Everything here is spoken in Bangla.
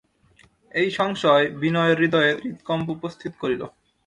এই সংশয় বিনয়ের হৃদয়ে হৃৎকম্প উপস্থিত করিল।